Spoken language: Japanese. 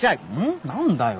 何だよ。